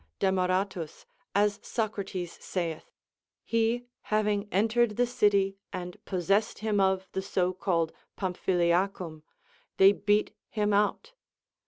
Demaratus (as Socrates saith), he having entered the city and possessed him of the so called Pamphyliacum, they beat him out.